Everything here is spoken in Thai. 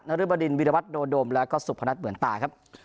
นฤบดินวิรบัติโดดมและก็สุพรรณัฐเหมือนตาครับ